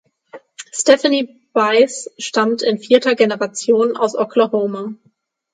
Stephanie Bice stammt in vierter Generation aus Oklahoma.